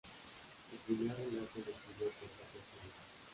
Su primer relato lo escribió con catorce años.